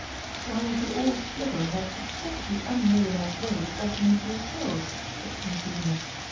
"Why you should all snigger in that excessively unladylike way is best known to yourselves," said Queen Selina.